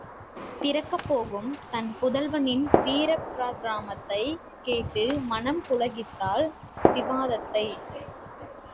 பிறக்கப் போகும் தன் புதல்வனின் வீரப் பராக்கிரமத்தைக் கேட்டு மனம் புளகித்தாள் வாசவதத்தை!